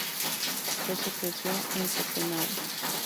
Rose creció en Copenhague.